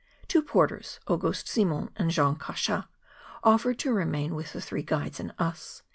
Two porters, Auguste Si mond and Jean Cachat, offered to remain with the three guides and us.